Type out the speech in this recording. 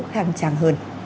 khang trang hơn